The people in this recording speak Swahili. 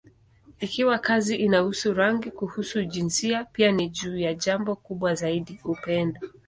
Ikiwa kazi inahusu rangi, kuhusu jinsia, pia ni juu ya jambo kubwa zaidi: upendo.